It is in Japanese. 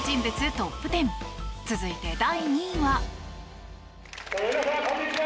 トップ１０続いて第２位は。